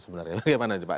bagaimana sih pak